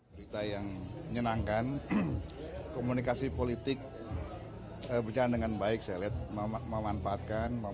berita yang menyenangkan komunikasi politik berjalan dengan baik saya lihat memanfaatkan